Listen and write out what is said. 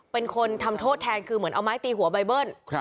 เป็นคนทำโทษแทนคือเหมือนเอาไม้ตีหัวใบเบิ้ล